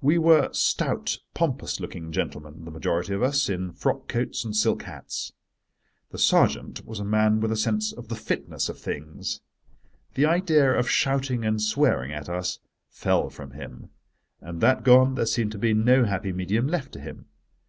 We were stout, pompous looking gentlemen, the majority of us, in frock coats and silk hats. The sergeant was a man with a sense of the fitness of things. The idea of shouting and swearing at us fell from him: and that gone there seemed to be no happy medium left to him.